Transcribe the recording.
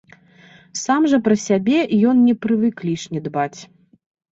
Сам жа пра сябе ён не прывык лішне дбаць.